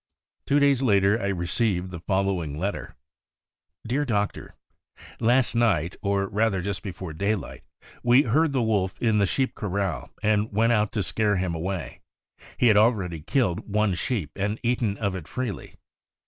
Two days later I received the following letter: "Dear Doctor: Last night, or rather just before day light, we heard the wolf in the sheep corral, and went out to scare him away. He had already killed one sheep and eaten of it freely.